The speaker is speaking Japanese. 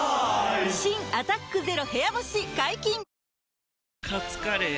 新「アタックＺＥＲＯ部屋干し」解禁‼カツカレー？